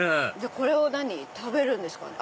これを食べるんですかね。